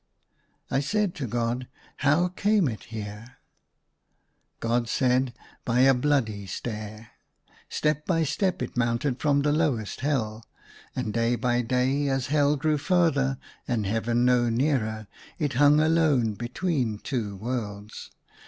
I said to God, *' How came it here ?" God said, " By a bloody stair. Step by step it mounted from the lowest Hell, 176 THE SUNLIGHT LAY and day by day as Hell grew farther and Heaven no nearer, it hung alone between two worlds.